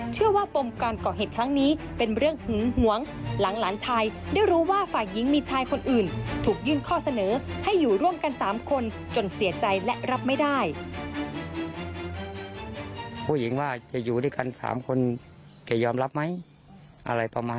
ปมการก่อเหตุครั้งนี้เป็นเรื่องหึงหวงหลังหลานชายได้รู้ว่าฝ่ายหญิงมีชายคนอื่นถูกยื่นข้อเสนอให้อยู่ร่วมกัน๓คนจนเสียใจและรับไม่ได้